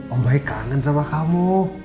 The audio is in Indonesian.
om baik kangen sama kamu